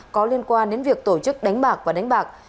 có liên quan đến việc tổ chức đánh bạc và đánh bạc